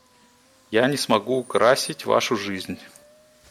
Я не смогу украсить Вашу жизнь.